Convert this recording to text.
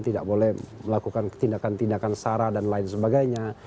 tidak boleh melakukan tindakan tindakan sara dan lain sebagainya